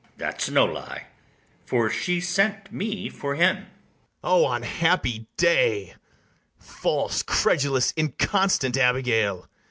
ITHAMORE. That's no lie; for she sent me for him. BARABAS. O unhappy day! False, credulous, inconstant Abigail!